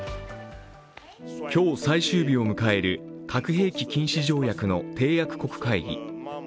今日最終日を迎える核兵器禁止条約の締約国会議。